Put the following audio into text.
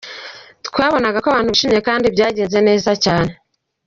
Twabonaga ko abantu bishimye kandi byagenze neza cyane.